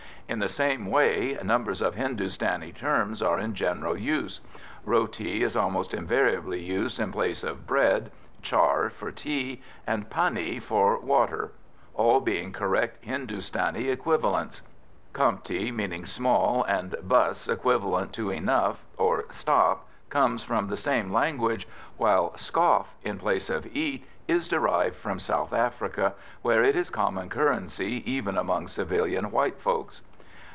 In the same way, numbers of Hindustani terms are in general use; "roti" is almost invariably used in place of "bread," "char" for "tea," and "pani" for "water," all being correct Hindustani equivalents. "Kampti," meaning small, and "bus," equivalent to "enough" or "stop," come from the same language, while "scoff" in place of "eat" is derived from South Africa, where it is common currency even among civilian white folks.